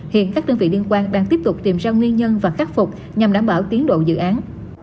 hiện các đơn vị liên quan đang tiếp tục tìm ra nguyên nhân và khắc phục nhằm đảm bảo tiến độ dự án